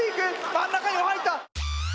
真ん中にも入った！